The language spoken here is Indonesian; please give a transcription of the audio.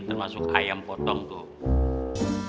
termasuk ayam potong tuh